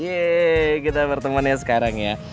yeay kita berteman ya sekarang ya